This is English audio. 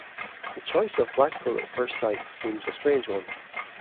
The choice of Blackpool at first sight seems a strange one.